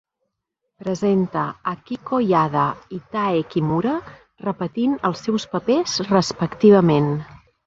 Presenta Akiko Yada i Tae Kimura repetint els seus papers respectivament.